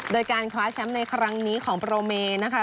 โดยการคว้าแชมป์ในครั้งนี้ของโปรเมนะคะ